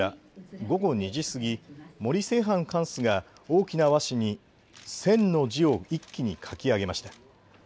午後２時過ぎ、森清範貫主が大きな和紙に戦の字を一気に書き上げました。